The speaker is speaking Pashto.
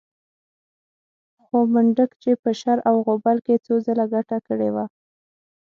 خو منډک چې په شر او غوبل کې څو ځله ګټه کړې وه.